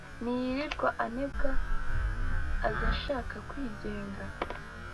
niyirirwa anebwa, azashaka kwigenga